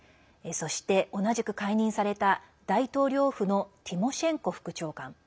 そして、同じく解任された大統領府のティモシェンコ副長官。